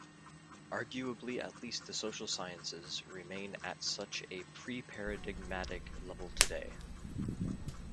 Arguably at least the social sciences remain at such a pre-paradigmatic level today.